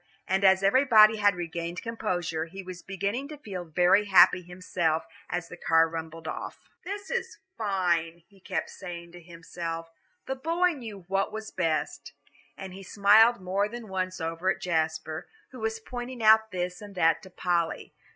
And as everybody had regained composure, he was beginning to feel very happy himself as the car rumbled off. "This is fine," he kept saying to himself, "the boy knew what was best," and he smiled more than once over at Jasper, who was pointing out this and that to Polly.